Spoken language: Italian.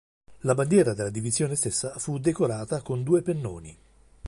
La bandiera della divisione stessa fu decorata con due pennoni.